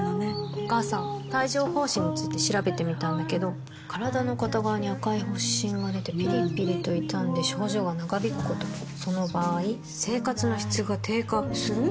お母さん帯状疱疹について調べてみたんだけど身体の片側に赤い発疹がでてピリピリと痛んで症状が長引くこともその場合生活の質が低下する？